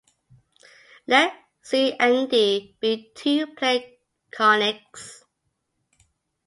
Let "C" and "D" be two plane conics.